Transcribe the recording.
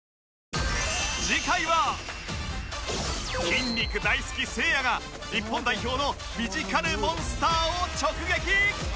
筋肉大好きせいやが日本代表のフィジカルモンスターを直撃！